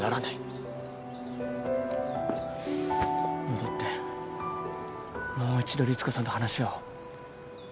戻ってもう一度リツコさんと話し合おう。